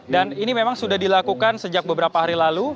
dan ini memang sudah dilakukan sejak beberapa hari lalu